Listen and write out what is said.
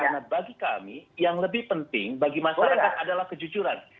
karena bagi kami yang lebih penting bagi masyarakat adalah kejujuran